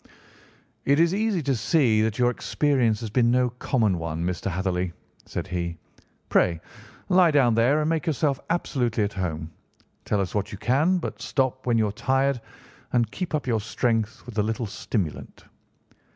"It is easy to see that your experience has been no common one, Mr. Hatherley," said he. "Pray, lie down there and make yourself absolutely at home. Tell us what you can, but stop when you are tired and keep up your strength with a little stimulant."